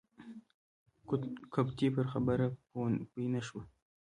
قبطي پر خبره پوی نه شو.